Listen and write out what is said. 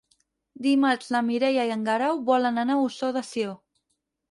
Dimarts na Mireia i en Guerau volen anar a Ossó de Sió.